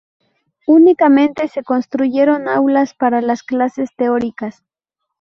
Únicamente se construyeron aulas para las clases teóricas.